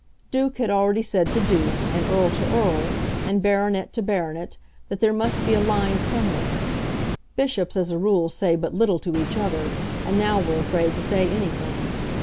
Duke had already said to Duke, and Earl to Earl, and Baronet to Baronet that there must be a line somewhere. Bishops as a rule say but little to each other, and now were afraid to say anything.